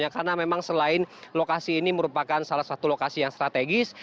karena memang selain lokasi ini merupakan salah satu lokasi yang strategis